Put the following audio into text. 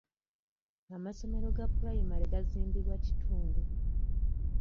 Amasomero ga pulayimale gazimbibwa kitundu.